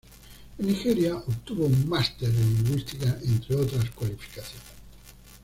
En Nigeria obtuvo un "máster" en lingüística, entre otras cualificaciones.